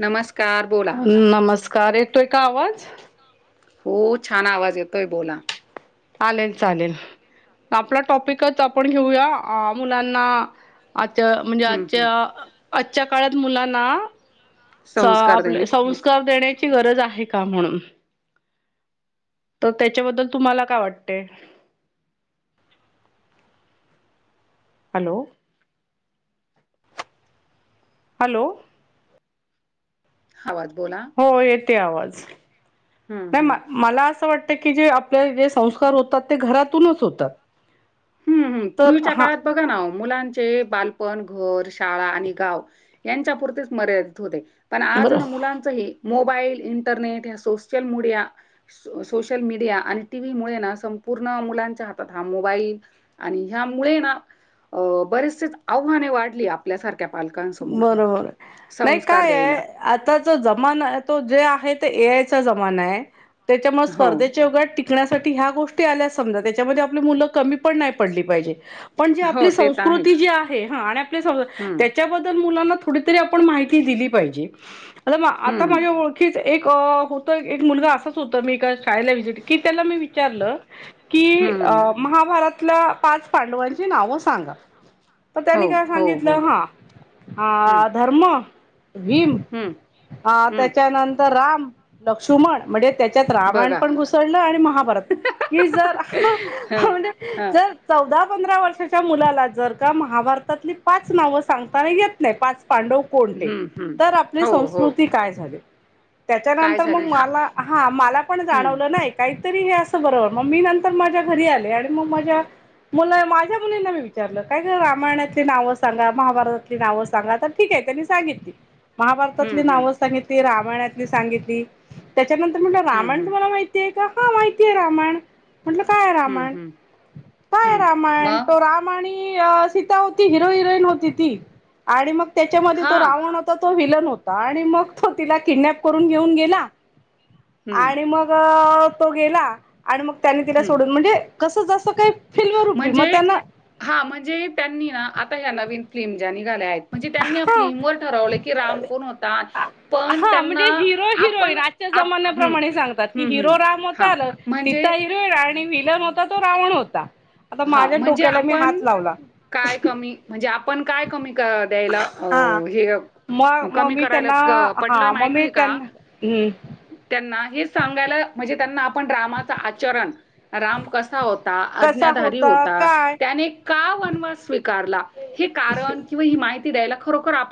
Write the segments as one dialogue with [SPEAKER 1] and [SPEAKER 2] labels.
[SPEAKER 1] नमस्क
[SPEAKER 2] नमस्कार एक तोय का आवाज.
[SPEAKER 1] हो छान आवाज येतोय बोला.
[SPEAKER 2] चालेल. चालेल. आपला टॉपिकच आपण घेऊया. मुलांना आता म्हणजे
[SPEAKER 1] हं, हं.
[SPEAKER 2] आजच्या आजच्या काळात मुलांना
[SPEAKER 1] संस्कार
[SPEAKER 2] आपले
[SPEAKER 1] देणे खूप
[SPEAKER 2] संस्कार देण्याची गरज आहे का म्हणून? तर त्याच्याबद्दल तुम्हाला काय वाटतयं? हॅलो. हॅलो.
[SPEAKER 1] आवाज बोला.
[SPEAKER 2] हो येते आवाज
[SPEAKER 1] हं, हं.
[SPEAKER 2] नाही. मला असं वाटत - - क जे आपल्या जे संस्कार होतात ते घरातूनच होतात.
[SPEAKER 1] ह्
[SPEAKER 2] तर
[SPEAKER 1] पूर्वीच्या
[SPEAKER 2] हा
[SPEAKER 1] काळात बघा ना ओ. मुलांचे बालपण घर शाळा आणि गाव यांच्या पुुरतीच मर्यादित होते. पण आज
[SPEAKER 2] बरं
[SPEAKER 1] ना मुलांचं हे मोबाईल इंटरनेट ह्या सोशल मोड्या सोशल मीडिया आणि टीव्ही मुळे ना पूर्ण मुलांच्या हातात हा मोबाईल आणि ह्यामुळे ना अ बरेचसेच आव्हाने वाढली आपल्यासारख
[SPEAKER 2] बरोबर. नाही
[SPEAKER 1] संस्कार
[SPEAKER 2] कायय
[SPEAKER 1] द्यायला.
[SPEAKER 2] आताचा जमाना आहे तो जे - - ए आय ज त्याच्यामुळे
[SPEAKER 1] हो.
[SPEAKER 2] स्पर्धेच्या टिक व्यासाठी ह्या गोष्टी आल्या समजा त्याच्यामध्ये आप मुलं कमी पण नाही पडली पाहिजेत. पण जी
[SPEAKER 1] हो
[SPEAKER 2] आपली
[SPEAKER 1] ते तर आहेच.
[SPEAKER 2] संस्कृती जी आहे हा आणि आप
[SPEAKER 1] हं,
[SPEAKER 2] त्याच्याबददल मुलांना थोडी तर आपण माहिती दिली पाहिजे. आता ब आता
[SPEAKER 1] हं,
[SPEAKER 2] माझ्या ओळखिच एक - - होत एक मुलगा असंच होत मी एका शाळेला व्हिजिट की त्याला मी विचारलं कि अ
[SPEAKER 1] हं.
[SPEAKER 2] महाभारतल्या पाच पांडवांची नाव सांगा. तर
[SPEAKER 1] हो,
[SPEAKER 2] त्यांनी काय
[SPEAKER 1] हो, हो.
[SPEAKER 2] सांगितलं हा
[SPEAKER 1] हं,
[SPEAKER 2] अ धर्म भीम
[SPEAKER 1] हं,
[SPEAKER 2] अ
[SPEAKER 1] हं.
[SPEAKER 2] त्याच्यानंतर राम लक्ष्मण म्हणजे त्याच्यात रामायण
[SPEAKER 1] बघा.
[SPEAKER 2] पण घुसळलं आणि महाभारत कि जर
[SPEAKER 1] हं,
[SPEAKER 2] म्हणजे
[SPEAKER 1] हं.
[SPEAKER 2] जर चौदा पंधरा वर्षाच्या मुला जर का महाभारतातली पाच नाव सांगताना येत नाही पाच पांडव कोणते
[SPEAKER 1] हं, हं.
[SPEAKER 2] तर आपली
[SPEAKER 1] हो, हो.
[SPEAKER 2] संस्कृती काय झाली?
[SPEAKER 1] काय
[SPEAKER 2] त्याच्यानंतर मग
[SPEAKER 1] झाली? हां.
[SPEAKER 2] मला हा मला पण
[SPEAKER 1] हं,
[SPEAKER 2] जाणवलं नाही काही तरी हे असं बरोबर मग मी नंतर माझ्या घरी आले आणि मग माझ्या मु माझ्या मुलींना मी विचारलं काय का रामायणाचे नाव सांगा? मभारतातली नाव सांगा तर ठीक त्यांनी सांगितली
[SPEAKER 1] हं,
[SPEAKER 2] महाभारतातली
[SPEAKER 1] हं.
[SPEAKER 2] नाव सांगितली राम यणली सांगितली त्याच्यानंतर म्हटलं
[SPEAKER 1] हं,
[SPEAKER 2] रामाण
[SPEAKER 1] हं.
[SPEAKER 2] तुम्हाला माहितीय का हा माहितीय रामायण. म्हटलं काय
[SPEAKER 1] हं,
[SPEAKER 2] रामायण
[SPEAKER 1] हं.
[SPEAKER 2] काय
[SPEAKER 1] हं.
[SPEAKER 2] रामायण
[SPEAKER 1] मग?
[SPEAKER 2] तो रामा आणि सीता होती हिरो हिरोन होती ती आणि मग त्याच्यामध्ये तो
[SPEAKER 1] हां.
[SPEAKER 2] रावण होता तो वील न होता, आणि मग तो तिला किडनप करून घेऊन गेला
[SPEAKER 1] हं,
[SPEAKER 2] आणि मग तो गेला, आणि मग त्याने तिला
[SPEAKER 1] हं.
[SPEAKER 2] सोडून म्हणजे कसं जसं काही फिल्म रुपी मग
[SPEAKER 1] म्हणजे
[SPEAKER 2] त्यांना
[SPEAKER 1] हा म्हणजे त्यांनी ना आता ह न फिल्म ज्या निघाल्या आहेत, म्हणजे त्यांनी आप
[SPEAKER 2] हा
[SPEAKER 1] की राम कोण होता पण
[SPEAKER 2] हा
[SPEAKER 1] त्यांना
[SPEAKER 2] म्हणजे हिरो
[SPEAKER 1] आपण
[SPEAKER 2] हिरोईन आजच्या
[SPEAKER 1] आप हं,
[SPEAKER 2] जन्याप्रणे सांगतात की
[SPEAKER 1] हं, हं.
[SPEAKER 2] हिरो राम
[SPEAKER 1] हां,
[SPEAKER 2] होता
[SPEAKER 1] म्हणजे
[SPEAKER 2] सीता हिरो आणि विलंन होता तो रावण होता. आता
[SPEAKER 1] हा
[SPEAKER 2] माझ्या
[SPEAKER 1] म्हणजे
[SPEAKER 2] डोक्याला मी
[SPEAKER 1] आपण
[SPEAKER 2] हात लावला
[SPEAKER 1] काय कमी म्हणजे आपण काय कमी द्यायला अ
[SPEAKER 2] हा
[SPEAKER 1] हे
[SPEAKER 2] मग मग
[SPEAKER 1] कमी
[SPEAKER 2] मी
[SPEAKER 1] करायला
[SPEAKER 2] त्यांना
[SPEAKER 1] पडलय
[SPEAKER 2] हा मग मी
[SPEAKER 1] माहिती का
[SPEAKER 2] त्यांना हम्म
[SPEAKER 1] त्यांना हे सांगायला म्हणजे त्यांना आपण रामा आचरण राम कसा होता?
[SPEAKER 2] कसा
[SPEAKER 1] अज्ञाधारी होता,
[SPEAKER 2] काय
[SPEAKER 1] त्याने का वनवास स्वीकारला हे कारण किंवा माहिती द्याला खरोखर आप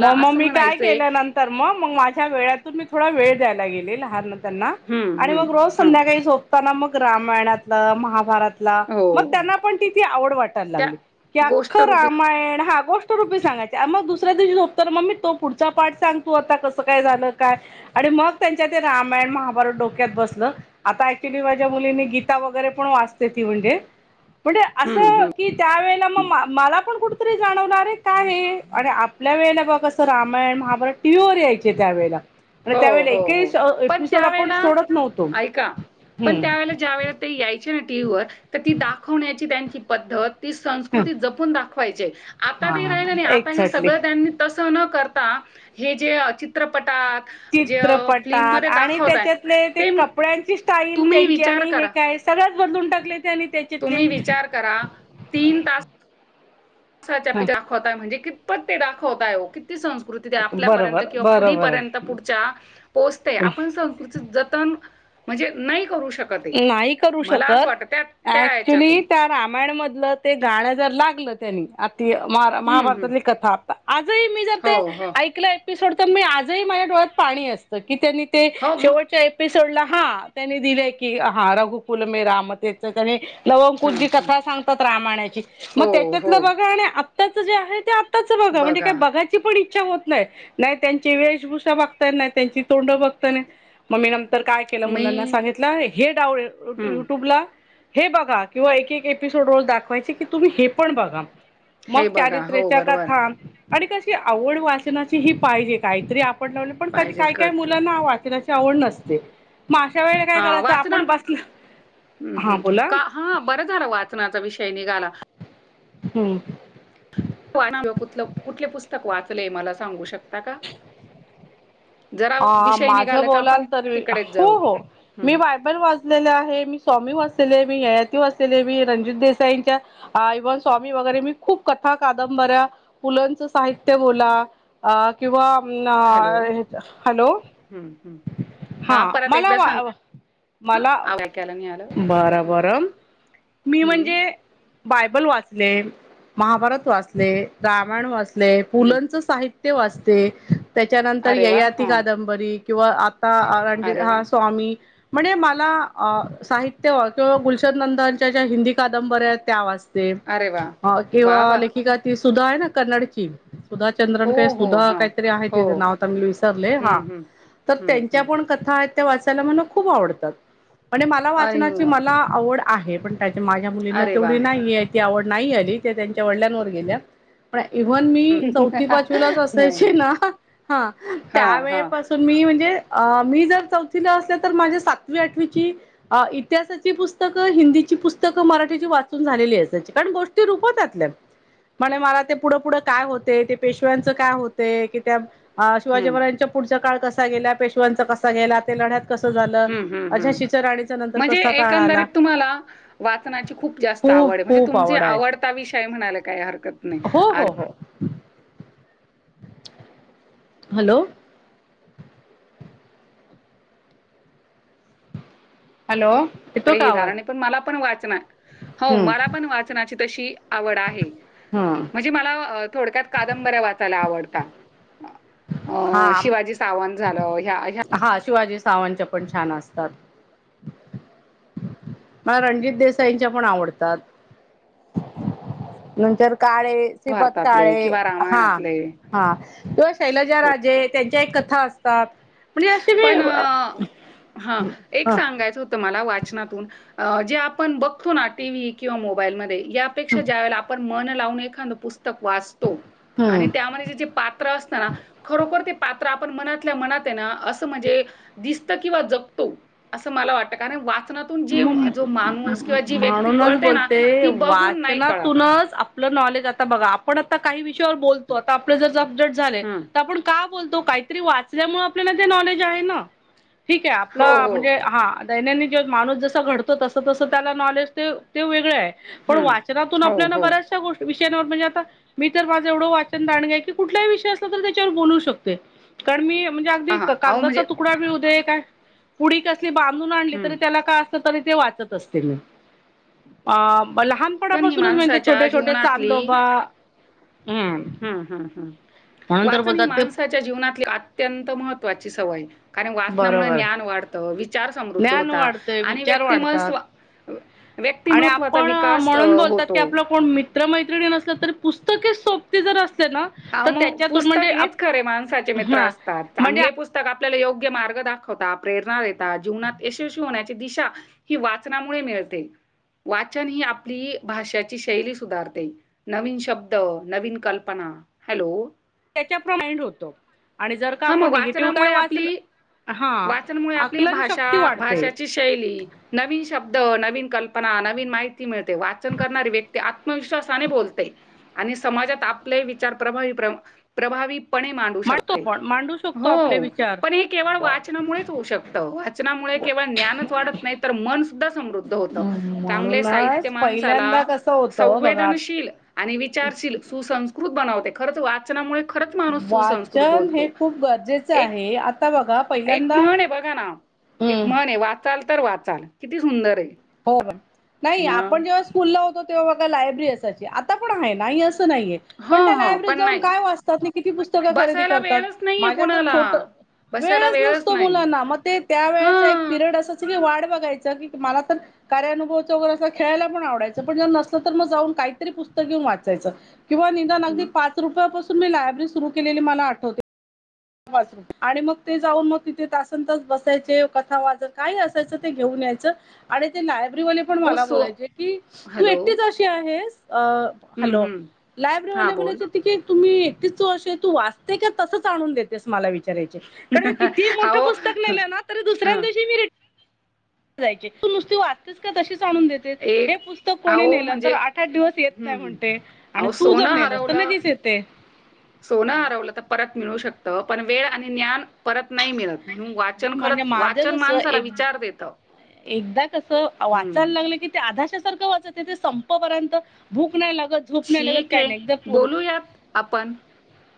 [SPEAKER 2] मग मग मी काय केल्या नंतर मग मग माझ्या वेळतून मी थोडा वेळ द्याल लागले लहान त्यांना
[SPEAKER 1] हं,
[SPEAKER 2] आणि
[SPEAKER 1] हं,
[SPEAKER 2] मग रोज
[SPEAKER 1] हं.
[SPEAKER 2] संध्याकाळी झोपताना त्याना मग रामायणातलं महाभारत मग
[SPEAKER 1] हो.
[SPEAKER 2] त्यांना पण तिथ आवड वाटायला
[SPEAKER 1] त्या
[SPEAKER 2] लागली की अख
[SPEAKER 1] गोष्ट रूपी
[SPEAKER 2] रामायण हा गोष्ट रूपी सांगायचं. त्या मग दुसऱ्या दिवशी झोपत मम्मी तो पुढचा पाठ सांगतू आता कसं काय झालं काय आणि मग त्यांच्या ते रामायण महाभारत डोक्यात बसलं, आता ऍक्च्युली माझ्या मुलींनी गीता वगैरे पण वाचते ती म्हणजे म्हणजे
[SPEAKER 1] हं, हं,
[SPEAKER 2] असं
[SPEAKER 1] हं.
[SPEAKER 2] की त्या वळेला मग मला पण कुठतरी जाणवणारे काय हे? आणि आपल्या वेळेला बा कसं रामायण महाभारात टीवर यायचे त्यावेेळेला!
[SPEAKER 1] हो,
[SPEAKER 2] त्यावेळेला
[SPEAKER 1] हो,
[SPEAKER 2] एकही
[SPEAKER 1] हो. पण
[SPEAKER 2] एपिसोड आपण
[SPEAKER 1] त्यावेळेला
[SPEAKER 2] सोडत नव्हतो.
[SPEAKER 1] ऐका पण
[SPEAKER 2] हम्म
[SPEAKER 1] त्यावेळे ज्या वेळे ते यायचे ना टीव्हीवर तर ती दाखवण्याची त्यांची ती पद्धत ती संस्कृती जपून दाखवायचे. आता ते
[SPEAKER 2] हा
[SPEAKER 1] राहिलं नाही आता हे
[SPEAKER 2] एक्झॅक्टली
[SPEAKER 1] सगळं त्यांनी तसं न कर ता हे जे चित्रपटात जे अ,
[SPEAKER 2] चित्रपटात
[SPEAKER 1] फिल्ममध्ये
[SPEAKER 2] आणि
[SPEAKER 1] दाखवताय,
[SPEAKER 2] त्याच्यातले ते कपड्यांची स्टाईल
[SPEAKER 1] तुम्ही
[SPEAKER 2] त्यांची
[SPEAKER 1] विचार
[SPEAKER 2] आणि हे
[SPEAKER 1] करा,
[SPEAKER 2] काय सगळ बदलून टाकले ते आणि त्याच्यातले.
[SPEAKER 1] तुम्ही विचार करा दाखवतय म्हणजे कितपत ते दाखवतय! ती संस्कृती त्या आपल्यापर्यंत
[SPEAKER 2] बरोबर
[SPEAKER 1] किंवा
[SPEAKER 2] बरोबर
[SPEAKER 1] पुढीपर्यंत पुढच्या पोहोचते आपण संस्कृती जतन
[SPEAKER 2] [inaudible]
[SPEAKER 1] म्हणजे नाही करू शकत. आहे
[SPEAKER 2] नाही करू
[SPEAKER 1] मला असं
[SPEAKER 2] शकत!
[SPEAKER 1] वाटतं त्या त्या
[SPEAKER 2] ऍक्च्युली
[SPEAKER 1] याच्यातून
[SPEAKER 2] त्या रामायणमधलं ते गाणं जर लागलं त्यांनी, आती
[SPEAKER 1] हम्म हम्म.
[SPEAKER 2] महाभारतातली कथा आता आज ही मी जर ते
[SPEAKER 1] हो हो
[SPEAKER 2] ऐकलं एपिसोड तर मी आज माझ्या डोळ्यात पाणी असतं. कि त्यांनी ते
[SPEAKER 1] हो म-
[SPEAKER 2] शेवटच्या एपिसोडला हा त्यांनी दिलय की की हा रघुकुल मे राम त्याचत आणि लव अकूश जी
[SPEAKER 1] हम्म, हम्म.
[SPEAKER 2] कथा सांगतात रामाणाची मग
[SPEAKER 1] हो
[SPEAKER 2] त्याच्यातलं
[SPEAKER 1] हो
[SPEAKER 2] बघा आणि आत्ताच जे आहे ते आ ताच बघा म्हणजे काय बघाची पण इ च्छा होत नाही नाही त्यांची वेशभूषा बघत नाही त्यांची तोंड बघता म मी तर काय केलं
[SPEAKER 1] मी
[SPEAKER 2] मुलांना सांगितलं हे डावळे
[SPEAKER 1] हम्म.
[SPEAKER 2] युट्यूबला हे बघा किंवा एक एक एपिसोड रोज दाखवायची की तुम्ही हे पण बघा मग
[SPEAKER 1] हे बघा हो
[SPEAKER 2] चारित्र्याच्या
[SPEAKER 1] बरोबर
[SPEAKER 2] कथा आणि कशी आवड वाचनाची ही पाहिजे काहीतरी आपण लावले पण कधी
[SPEAKER 1] पाहिजे
[SPEAKER 2] काय काय
[SPEAKER 1] करते
[SPEAKER 2] मुलांना वाचनाची आवड नसते म अशा वेळेला काय करायच आप
[SPEAKER 1] ण हं हं का हा बरं झालं वाचनाचा विषय निघाला.
[SPEAKER 2] हम्म
[SPEAKER 1] कुतले कुठले पुस्तक वाचलेय मला सांगू शकता का? जरा
[SPEAKER 2] अ
[SPEAKER 1] विषय
[SPEAKER 2] माझ
[SPEAKER 1] निघाला
[SPEAKER 2] बोलाल
[SPEAKER 1] आपण
[SPEAKER 2] तर
[SPEAKER 1] तिकडेच
[SPEAKER 2] हो
[SPEAKER 1] जाऊ.
[SPEAKER 2] हो मी
[SPEAKER 1] हं.
[SPEAKER 2] बायबल वाजलेले आहे मी स्वामी व असले मी हयायाती असलेले मी रंजित देसाईंच्या इवन स्वामी वगैरे मी खूप कथ कादंबऱ्या पू ल च साहित्य बोला अ किंवा नं
[SPEAKER 1] हॅलो.
[SPEAKER 2] अ हे हॅलो
[SPEAKER 1] हं, हं.
[SPEAKER 2] हा
[SPEAKER 1] हां, परत
[SPEAKER 2] मला
[SPEAKER 1] एकदा
[SPEAKER 2] वा
[SPEAKER 1] सांगा
[SPEAKER 2] - मला
[SPEAKER 1] आवाज ऐकायला नाही आलं.
[SPEAKER 2] बरं
[SPEAKER 1] हं,
[SPEAKER 2] बरं मी
[SPEAKER 1] हं,
[SPEAKER 2] म्हणजे बायबल वाचले, महाभारत वाचले, रामायण वाचले, पू
[SPEAKER 1] हं.
[SPEAKER 2] लंं चं साहि वाचते त्याच्यानंतर
[SPEAKER 1] अरे वाह!
[SPEAKER 2] ययाती
[SPEAKER 1] हां.
[SPEAKER 2] कादंबरी किंवा आ ता आ मन्जे
[SPEAKER 1] अरे
[SPEAKER 2] हा
[SPEAKER 1] वाह!
[SPEAKER 2] स्वामी म्हणजे मला अ साहित्य किंवा गुलशन नंदांच्या ज्या हिंदी कादंबऱ्या आहेत त्या वाच ते
[SPEAKER 1] अरे वाह! वाह,
[SPEAKER 2] किंवा
[SPEAKER 1] वाह!
[SPEAKER 2] लेखिका ती सुधा आहे ना कन्नाडची सुधा चंद्रन
[SPEAKER 1] हो,
[SPEAKER 2] काय
[SPEAKER 1] हो.
[SPEAKER 2] सुधा
[SPEAKER 1] हां.
[SPEAKER 2] काहीतरी आहे
[SPEAKER 1] हो.
[SPEAKER 2] तिज नाव आता मी विसरले हा
[SPEAKER 1] हं, हं.
[SPEAKER 2] तर
[SPEAKER 1] हं,
[SPEAKER 2] त्यांच्या
[SPEAKER 1] हं.
[SPEAKER 2] पण कथा आहेत त्या वाचायला मला खूप आवडतात. म्हणज मला
[SPEAKER 1] आणि
[SPEAKER 2] वाचनाची मला आवड आहे पण त्याच्या माझ्या मुलींना
[SPEAKER 1] अरे वाह!
[SPEAKER 2] तेवढी नाहीय. ती आवड नाही आली त्या त्यांच्या वडल्यांवर गेल्या पण इव्हन मी चौथी पाचवीलाच
[SPEAKER 1] नाही,
[SPEAKER 2] असायची
[SPEAKER 1] नाही.
[SPEAKER 2] ना हा
[SPEAKER 1] हां, हां.
[SPEAKER 2] त्यावेळेपासून मी म्हणजे अ मी जर चौथी असले तर माझी सातवी आठवीची इतिहासाची पुस्तकं हिंदीची पुस्तकं मराठीची वाचून झालेली असायची त्या कारण गोष्टी रूपतातल्या. म्हणे मला ते पुढं पुढे काय होते ते पेशव्यांचं काय होते की त्या अ शिवाजी
[SPEAKER 1] हं.
[SPEAKER 2] महारजांच्या पुढचा काळ कसा गेला पेशवांचा कसा गेला ते लढ्यात कसं झालं
[SPEAKER 1] हूं हूं हूं
[SPEAKER 2] अझाशीच्या राणीचा नंतर
[SPEAKER 1] म्हणजे
[SPEAKER 2] कसा काळ आला
[SPEAKER 1] एकंदरीत तुम्हाला वाचनाची खूप जास् आवड
[SPEAKER 2] खूप
[SPEAKER 1] म्हणजे
[SPEAKER 2] खूप
[SPEAKER 1] तुमची
[SPEAKER 2] आवड आहे
[SPEAKER 1] आवडता विषय म्हणायला काही हरकत नाही
[SPEAKER 2] हो
[SPEAKER 1] आ
[SPEAKER 2] हो हो हॅलो हॅलो येतो
[SPEAKER 1] कडे
[SPEAKER 2] का
[SPEAKER 1] हे
[SPEAKER 2] आवाज
[SPEAKER 1] झालं नाय पण मला पण वाचना हो मला
[SPEAKER 2] हम्म
[SPEAKER 1] पण वाचनाची तशी आवड आहे
[SPEAKER 2] हम्म
[SPEAKER 1] म्हणजे मला थोडक्यात कादंबऱ्या वाचायला आवडता हा अं
[SPEAKER 2] हा
[SPEAKER 1] शिवाजी सावंत झालं ह्या ह्या
[SPEAKER 2] सावांच्या पण छान असतात. मला रणजित देसाईंच्या पण आवडतात. नंतर काळे श्रीपात
[SPEAKER 1] भारतातले
[SPEAKER 2] काळे
[SPEAKER 1] किंवा
[SPEAKER 2] हा
[SPEAKER 1] रामायणातले
[SPEAKER 2] हा किंवा शैलजा
[SPEAKER 1] हो
[SPEAKER 2] राजे त्यां काय कथा असतात. म्हणजे असे
[SPEAKER 1] पण
[SPEAKER 2] मी
[SPEAKER 1] हा एक सांगाचं होत मला वाच चनातून जे आपन बघतो ना टीव्ही किंवा मोबाईल मध्ये यापेक्षा ज्यावेळेला आपण मन लावून एखांद पुस्तक वाचतो आणि
[SPEAKER 2] हम्म
[SPEAKER 1] त्यामध्ये जे जे पात्र असत ना खरोखर ते पात्र त्र आपण मनातल्या मनात ते ना अस म्हणजे दिसतं किंवा जगतो अस मला वाटत कारण वाच
[SPEAKER 2] म म म म
[SPEAKER 1] व्यक्ती
[SPEAKER 2] म्हणूनच
[SPEAKER 1] कळते ना,
[SPEAKER 2] बोलते
[SPEAKER 1] ती बघून नाही कळत.
[SPEAKER 2] वाचनातूनच आपलं नॉलेज आता बघा आपण आता काही विषयावर बोलतो आता आपले जर अपडेट झाले
[SPEAKER 1] हं.
[SPEAKER 2] त आपण का बोलतो. काहीतरी वाचल्यामुळे आपल्याला ते नॉलेज आहे ना? ठीक आपला
[SPEAKER 1] हो, हो.
[SPEAKER 2] म्हणजे, हा. दैनंदिन- माणूस जसा घडतो तस तसं त्याला नॉलेज ते- ते वेगळे आहे. पण
[SPEAKER 1] हं.
[SPEAKER 2] वाचनातून
[SPEAKER 1] हो,
[SPEAKER 2] आपल्याला
[SPEAKER 1] हो.
[SPEAKER 2] बऱ्याचशा गोष्टी- [unintelligible] म्हणजे आता मी तर माझं एवढं वाचन दांडग की कुठल्याही विषय असला तरी त्याच्यावर बोलू शकते. कारण मी ते - म्हणजे अगदी
[SPEAKER 1] हां, हां. अहो
[SPEAKER 2] कागदाचा
[SPEAKER 1] म्हणजे
[SPEAKER 2] तुकडा मिळूदे. काय पुडी कसली बांधून आणली
[SPEAKER 1] हं.
[SPEAKER 2] तरी त्याला काय- तरी ते वाचत असते मी.
[SPEAKER 1] ही
[SPEAKER 2] लहानपणापासूनच म्हणजे ते
[SPEAKER 1] माणसाच्या
[SPEAKER 2] छोटे छोटे चांदोबा- हम्म
[SPEAKER 1] हम्म हम्म हम्म.
[SPEAKER 2] म्हणून तर
[SPEAKER 1] वाचन ही
[SPEAKER 2] बोलतात ते
[SPEAKER 1] माणसाच्या जीवनातली अत्यंत महत्त्वाची सवयये. कारण वाचनामुळे
[SPEAKER 2] बरोबर
[SPEAKER 1] ज्ञान वाढतं विचार समृद्ध
[SPEAKER 2] ज्ञान
[SPEAKER 1] होता
[SPEAKER 2] वाढतंय
[SPEAKER 1] आणि
[SPEAKER 2] विचार
[SPEAKER 1] व्यक्ती म
[SPEAKER 2] वाढतात.
[SPEAKER 1] स्-
[SPEAKER 2] आणि आपण म्हणून बोलतात की
[SPEAKER 1] होतो.
[SPEAKER 2] आपलं कोण मित्र मैत्री - णी नसलं तरी पुस्तके सोबती जर -
[SPEAKER 1] हा. मग पुस्तक हेच खरे माणसाचे मित्र
[SPEAKER 2] हा
[SPEAKER 1] असतात.
[SPEAKER 2] म्हणजे
[SPEAKER 1] चांगले पुस्तक आ- आपल्याला योग्य मार्ग दाखवता प्रेरणा देता. जीवनात यशस्वी होण्याची दिशा ही वाचनामुळे मिळते. ते. वाचन ही आपली भाषाची शैली सुधारते. नवीन शब्द, नवीन कल्पना- हॅलो.
[SPEAKER 2] त्याच्या प्रमाइंड होतो आणि जर का आपण निगेटिव्ह काय वाचल-
[SPEAKER 1] वाचनमुळे आपली भाषा,
[SPEAKER 2] वाढते.
[SPEAKER 1] भाषाची शैली, नवीन शब्द न- वीन कल्पना, नवीन माहिती मिळते. वाचन करणारी व्यक्ती आत्मविश्वासाने बोलते आणि समाजात - आपले विचार प्रभावी प्रभावीपणे मांडू
[SPEAKER 2] मांडतो
[SPEAKER 1] शकते.
[SPEAKER 2] आपण मांडू शकतो आपले
[SPEAKER 1] हो.
[SPEAKER 2] विचार.
[SPEAKER 1] पण हे केवळ वाचनामुळेच होऊ शकतं. वाचनामुळे केवळ ज्ञानच वाढत नाही- तर मन सुद्धा समृद्ध होत. चांगले साहित्य
[SPEAKER 2] म्हणूनच
[SPEAKER 1] माणसाला
[SPEAKER 2] पहिल्यांदा कसं होतं बघा
[SPEAKER 1] संवेदनशील- आणि विचारशील सुसंस्कृत बनवते. खरंतर वाचनामुळे खरंच माणूस सुसंस्कृत
[SPEAKER 2] वाचन
[SPEAKER 1] बोलतो.
[SPEAKER 2] हे खूप गरजेचं
[SPEAKER 1] एक
[SPEAKER 2] आहे आता बघा
[SPEAKER 1] एक
[SPEAKER 2] पहिल्यांदा
[SPEAKER 1] म्हण आहे बघा ना, एक
[SPEAKER 2] हम्म
[SPEAKER 1] म्हण आहे वाचा- चाल तर वाचाल किती सुंदर आहे.
[SPEAKER 2] हो म नाही
[SPEAKER 1] मग
[SPEAKER 2] आपण जेव्हा स्कूल ला होतो तेव्हा बघा लायब्ररी असायची. आ त्ता पण आहे नाही अस नाहीए.
[SPEAKER 1] हो
[SPEAKER 2] पण त्या
[SPEAKER 1] हो
[SPEAKER 2] लायब्ररीत
[SPEAKER 1] पण
[SPEAKER 2] जाऊन
[SPEAKER 1] नाही
[SPEAKER 2] काय वाचतात? किती पुस्तक खरेदी
[SPEAKER 1] बसायला
[SPEAKER 2] करतात?
[SPEAKER 1] वेळच
[SPEAKER 2] मा -
[SPEAKER 1] नाहीये
[SPEAKER 2] माझ्या तर
[SPEAKER 1] कोणाला
[SPEAKER 2] छोट-
[SPEAKER 1] बसायला
[SPEAKER 2] वेळच नसतो
[SPEAKER 1] नाही
[SPEAKER 2] मुलांना. मग ते त्या
[SPEAKER 1] हा
[SPEAKER 2] वेळेचा एक पिरियड असं की वाट बघायचं की, मला तर- कार्यानुभवाचं वगैरे असं खेळायला पण आवडायचं पण जर नसलं तर मग जाऊन काहीतरी पुस्तक घेऊन वाचायचं. किंवा निदान अगदी
[SPEAKER 1] मग
[SPEAKER 2] पाच रुपयापासून मी लायब्ररी सुरू केलेली मला आठवते. आणि मग ते जाऊन मग तिथे तासंन तास बसायचे. कथा वाचत काही असायचं ते घेऊन- यायचं आणि ते - ब्ररीवाले पण
[SPEAKER 1] अहो
[SPEAKER 2] मला
[SPEAKER 1] सो
[SPEAKER 2] बोलायचे की तू
[SPEAKER 1] हॅलो
[SPEAKER 2] एकटीच अशी आहेस-
[SPEAKER 1] हम्म
[SPEAKER 2] हॅलो.
[SPEAKER 1] हम्म हा
[SPEAKER 2] लायब्ररीवाला
[SPEAKER 1] बोल
[SPEAKER 2] बोलायच की तुम्ही- तू वाचते का तसंच आणून देते? मला विचारायचे. कारण कितीही मोठं
[SPEAKER 1] अहो
[SPEAKER 2] पुस्तक लिहिलं ना तरी दुसऱ्याच
[SPEAKER 1] हा
[SPEAKER 2] दिवशी मी - जायची. तू नुसती वाचतेस का? तशी- आणून देते. हे
[SPEAKER 1] एक
[SPEAKER 2] पुस्तक कोणी
[SPEAKER 1] अहो
[SPEAKER 2] नेलं तर
[SPEAKER 1] म्हणजे
[SPEAKER 2] आठ आठ दिवस येत
[SPEAKER 1] हम्म
[SPEAKER 2] नाही
[SPEAKER 1] हम्म.
[SPEAKER 2] म्हणते. आणि
[SPEAKER 1] अहो
[SPEAKER 2] तू जर
[SPEAKER 1] सोनं
[SPEAKER 2] नेलंस त -
[SPEAKER 1] हरवलं
[SPEAKER 2] लगेच येते.
[SPEAKER 1] सोनं हरवलं तर परत मिळू शकत. पण वेळ आणि ज्ञान परत नाही मिळत. म्हणून
[SPEAKER 2] नाही
[SPEAKER 1] वाचन
[SPEAKER 2] म्हणजे
[SPEAKER 1] खरच,
[SPEAKER 2] माझं
[SPEAKER 1] वाचन
[SPEAKER 2] कसं
[SPEAKER 1] माणसाला
[SPEAKER 2] एक
[SPEAKER 1] विचार देत.
[SPEAKER 2] एकदा कस वाचायला लागलं की ते अधाशासारखं वाचायच ते संपपर्यंत भूक- क नाही लागत झोप नाही लागत
[SPEAKER 1] ठीक
[SPEAKER 2] काय
[SPEAKER 1] आहे.
[SPEAKER 2] नाही. एकदम प
[SPEAKER 1] बोलूयात आपण.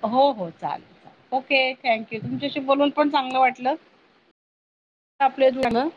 [SPEAKER 2] [unintelligible] हो हो चालेल. चा -ओके थँक्यू तुमच्याशी बोलून पण चांगलं वाटलं. आपल्यात म्ह ना.